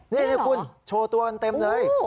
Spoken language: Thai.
นี่คุณโชว์ตัวกันเต็มเลย